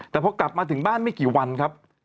แต่พอกลับมาถึงบ้านไม่กี่วันครับ